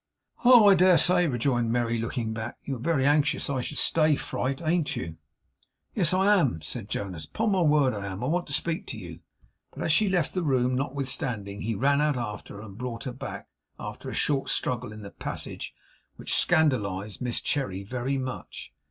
'Oh, I dare say!' rejoined Merry, looking back. 'You're very anxious I should stay, fright, ain't you?' 'Yes, I am,' said Jonas. 'Upon my word I am. I want to speak to you.' But as she left the room notwithstanding, he ran out after her, and brought her back, after a short struggle in the passage which scandalized Miss Cherry very much.